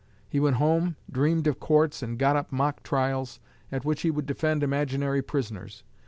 He went home, dreamed of courts, and got up mock trials, at which he would defend imaginary prisoners.